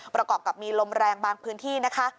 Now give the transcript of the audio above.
ประกอบกับมีลมแรงบางพื้นที่นะคะ